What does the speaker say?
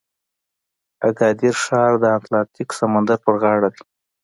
اګادیر ښار د اتلانتیک سمندر په غاړه دی.